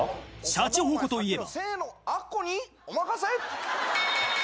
シャチホコといえば